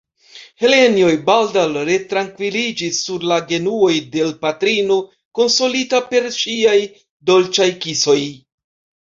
Helenjo baldaŭ retrankviliĝis sur la genuoj de l' patrino, konsolita per ŝiaj dolĉaj kisoj.